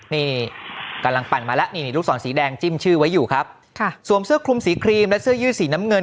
นี่กำลังปั่นมาแล้วนี่ลูกศรสีแดงจิ้มชื่อไว้อยู่ครับค่ะสวมเสื้อคลุมสีครีมและเสื้อยืดสีน้ำเงิน